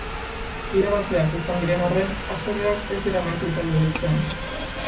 Irabazleak izan diren aren, haserreak ez dira amaitu talde beltzean.